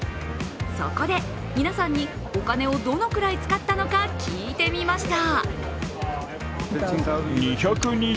そこで、皆さんにお金をどのくらい使ったのか聞いてみました。